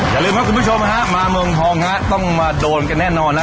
อย่าลืมครับคุณผู้ชมฮะมาเมืองทองฮะต้องมาโดนกันแน่นอนนะ